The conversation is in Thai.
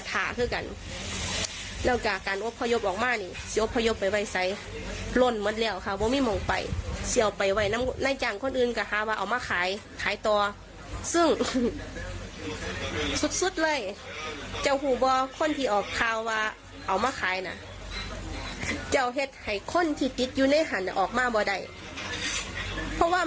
เธอบอกโธนไม่ไหวจริงต้องขอไลฟ์ระบายหน่อยค่ะ